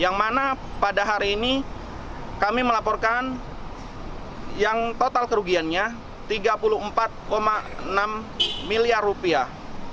yang mana pada hari ini kami melaporkan yang total kerugiannya tiga puluh empat enam miliar rupiah